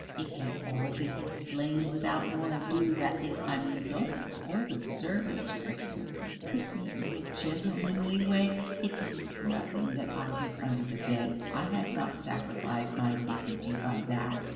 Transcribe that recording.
It can all be explained without more ado, that is, I mean, don't call the servants, your Excellency! Treat me in a gentlemanly way.... It means nothing that I was under the bed, I have not sacrificed my dignity by that.